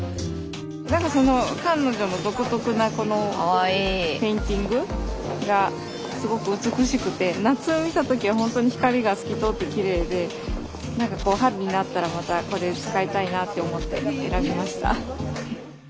なんかその彼女の独特なこのペインティングがすごく美しくて夏見た時はほんとに光が透き通ってきれいでなんかこう春になったらまたこれ使いたいなって思って選びました。